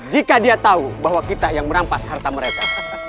jika dia tahu bahwa kita yang merampas harta mereka